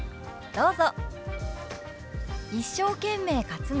どうぞ。